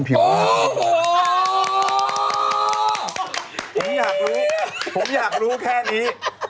ผมอยากรู้แค่นี้